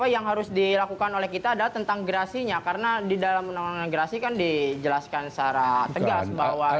yang harus dilakukan oleh kita adalah tentang gerasinya karena di dalam undang undang gerasi kan dijelaskan secara tegas bahwa